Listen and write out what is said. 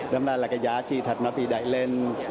chúng ta là cái giá trị thật nó bị đẩy lên